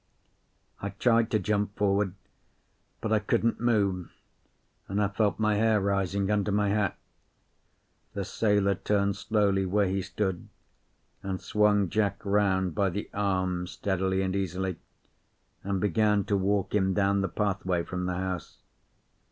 I tried to jump forward, but I couldn't move, and I felt my hair rising under my hat. The sailor turned slowly where he stood, and swung Jack round by the arm steadily and easily, and began to walk him down the pathway from the house.